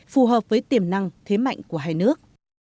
phù hợp với tiềm năng thế mạnh của hai nước